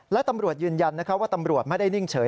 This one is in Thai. และตำรวจยืนยันว่าตำรวจไม่ได้นิ่งเฉย